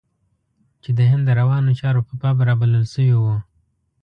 چې د هند د روانو چارو په باب رابلل شوی و.